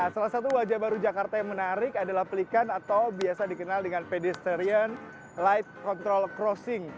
salah satu wajah baru jakarta yang menarik adalah pelikan atau biasa dikenal dengan pedestrian light control crossing